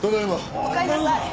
おかえりなさい。